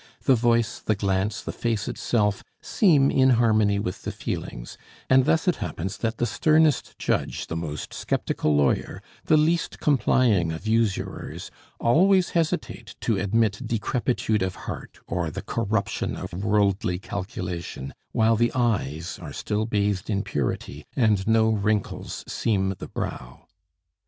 The voice, the glance, the face itself, seem in harmony with the feelings; and thus it happens that the sternest judge, the most sceptical lawyer, the least complying of usurers, always hesitate to admit decrepitude of heart or the corruption of worldly calculation while the eyes are still bathed in purity and no wrinkles seam the brow.